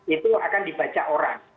itu akan dibaca orang